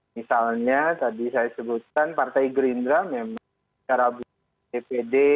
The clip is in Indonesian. misalnya tadi saya sebutkan partai gerindra memang secara dpd